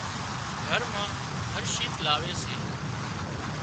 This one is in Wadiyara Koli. گھر مان هر شيز لاوي سي